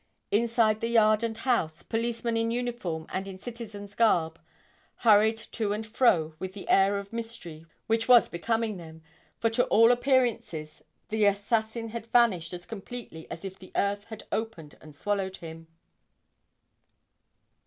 Inside the yard and house, policemen in uniform and in citizen's garb, hurried to and fro with an air of mystery which was becoming them, for to all appearances the assassin had vanished as completely as if the earth had opened and swallowed him.